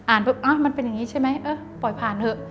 มันเป็นอย่างนี้ใช่ไหมเออปล่อยผ่านเถอะ